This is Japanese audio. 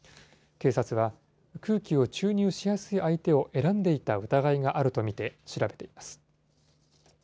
警察は空気を注入しやすい相手を選んでいた疑いがあると見て調べています。